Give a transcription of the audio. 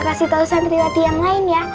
atau santriwati yang lain ya